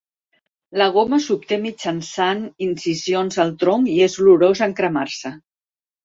La goma s'obté mitjançant incisions al tronc i és olorosa en cremar-se.